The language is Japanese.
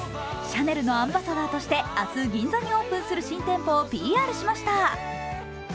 シャネルのアンバサダーとして明日銀座にオープンする新店舗をＰＲしました。